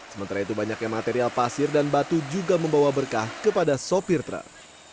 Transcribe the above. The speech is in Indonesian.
sementara itu banyaknya material pasir dan batu juga membawa berkah kepada sopir truk